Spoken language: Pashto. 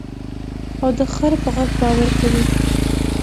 او د خر په غږ باور کوې.